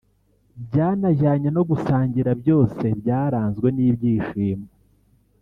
byanajyanye no gusangira byose byaranzwe n'ibyishimo